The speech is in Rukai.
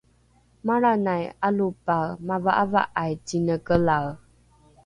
malranai alopae mava’ava’ai cinekelae